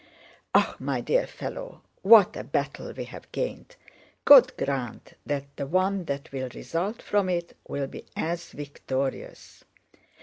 "Ah, my dear fellow, what a battle we have gained! God grant that the one that will result from it will be as victorious!